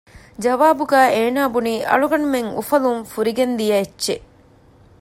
ޖަވާބުގައި އޭނާބުނީ އަޅުގަނޑުމެން އުފަލުން ފުރިގެން ދިޔައެއްޗެއް